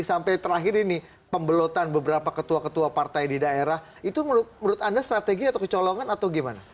sampai terakhir ini pembelotan beberapa ketua ketua partai di daerah itu menurut anda strategi atau kecolongan atau gimana